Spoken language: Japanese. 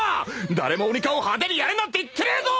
誰も鬼化を派手にやれなんて言ってねえぞ！